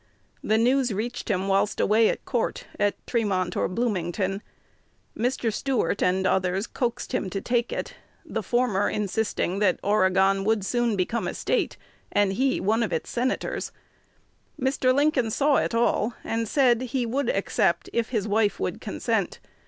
The news reached him whilst away at court at Tremont or Bloomington. Mr. Stuart and others "coaxed him to take it;" the former insisting that Oregon would soon become a State, and he one of its senators. Mr. Lincoln saw it all, and said he would accept "if his wife would consent."